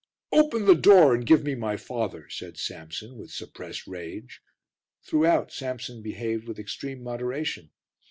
"Open the door and give me my father," said Samson with suppressed rage. Throughout Samson behaved with extreme moderation.